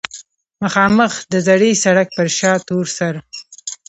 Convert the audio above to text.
مخامخ د زړې سړک پۀ شا تورسر